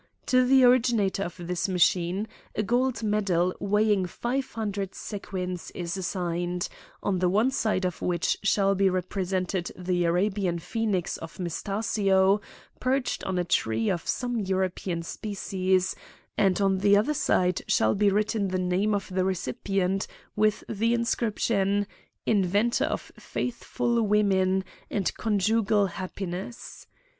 To the originator of this machine a gold medal weighing five hundred sequins is assigned, on the one side of which shall be represented the Arabian Phoenix of Metastasio, perched on a tree of some European species, and on the other side shall be written the name of the recipient, with the inscription, " Inventor of faithful women, and conjugal happiness."